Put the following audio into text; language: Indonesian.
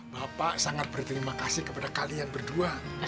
bapak sangat berterima kasih kepada kalian berdua